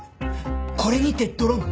これにてドロン。